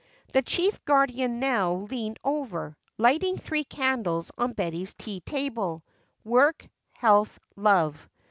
The chief guardian now leaned over, lighting three candles on Betty's tea table "Work, Health, Love."